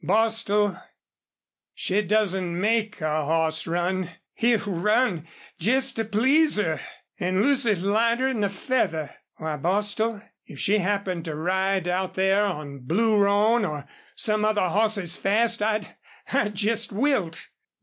Bostil, she doesn't MAKE a hoss run. He'll run jest to please her. An' Lucy's lighter 'n a feather. Why, Bostil, if she happened to ride out there on Blue Roan or some other hoss as fast I'd I'd jest wilt."